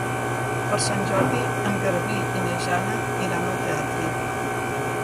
Per Sant Jordi en Garbí i na Jana iran al teatre.